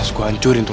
yang nunggu berini